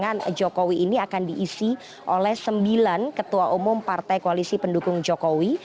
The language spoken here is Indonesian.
pasangan jokowi ini akan diisi oleh sembilan ketua umum partai koalisi pendukung jokowi